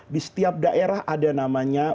di setiap daerah ada namanya